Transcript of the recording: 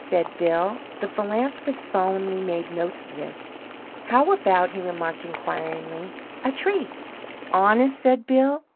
said Bill. The philanthropist solemnly made notes of this. "How about," he remarked, inquiringly, "a tree?" "Honest?" said Bill.